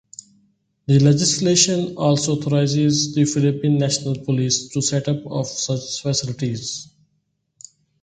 The legislation also authorizes the Philippine National Police to set up of such facilities.